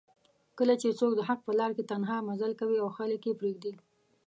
کله چې څوک دحق په لار کې تنها مزل کوي او خلک یې پریږدي